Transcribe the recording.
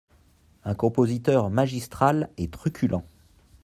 … un compositeur magistral et truculent !